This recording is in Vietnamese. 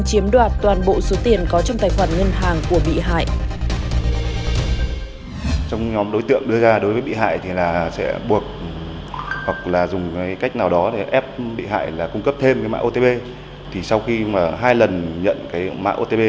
chiếm đoạt tổng số tiền hơn một mươi tỷ đồng của hơn một trăm linh bị hại trên cả nước